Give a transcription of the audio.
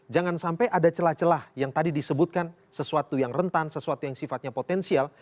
jangan sampai ada celah celah yang tadi disebutkan sesuatu yang rentan sesuatu yang sifatnya potensial